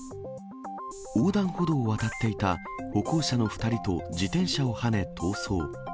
横断歩道を渡っていた歩行者の２人と自転車をはね、逃走。